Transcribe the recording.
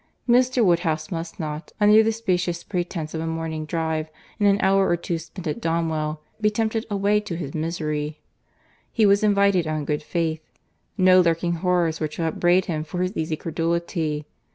Mr. Woodhouse must not, under the specious pretence of a morning drive, and an hour or two spent at Donwell, be tempted away to his misery. He was invited on good faith. No lurking horrors were to upbraid him for his easy credulity.